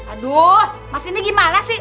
aduh mas ini gimana sih